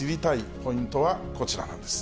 ポイントはこちらなんです。